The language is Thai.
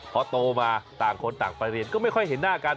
พอโตมาต่างคนต่างไปเรียนก็ไม่ค่อยเห็นหน้ากัน